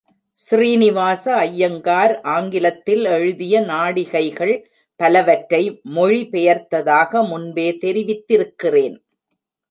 ஸ்ரீனிவாச ஐயங்கார் ஆங்கிலத்தில் எழுதிய நாடிகைகள் பலவற்றை மொழிபெயர்த்ததாக முன்பே தெரிவித்திருக்கிறேன்.